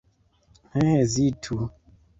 Ne hezitu!